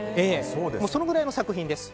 そのくらいの作品です。